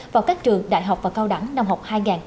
vào các trường đại học và cao đẳng năm học hai nghìn một mươi năm